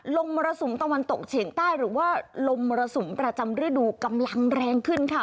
มรสุมตะวันตกเฉียงใต้หรือว่าลมมรสุมประจำฤดูกำลังแรงขึ้นค่ะ